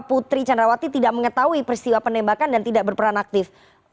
putri candrawati tidak mengetahui peristiwa penembakan dan tidak berperan aktif